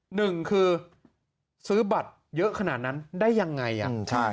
หนึ่งคือซื้อบัตรเยอะขนาดนั้นได้ยังไง